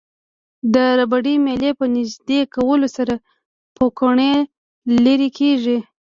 د ربړي میلې په نژدې کولو سره پوکڼۍ لرې کیږي.